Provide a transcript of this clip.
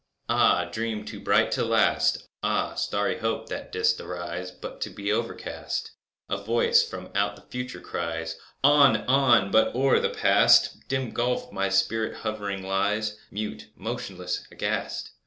Ah, dream too bright to last! Ah, starry Hope! that didst arise But to be overcast! A voice from out the Future cries, "On! on!"—but o'er the Past (Dim gulf!) my spirit hovering lies Mute, motionless, aghast!